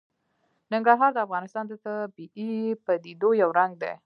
ننګرهار د افغانستان د طبیعي پدیدو یو رنګ دی.